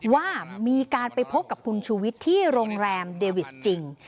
ว่ามีการไปพบกับคุณชูวิทย์ที่โรงแรมเดวิสจริง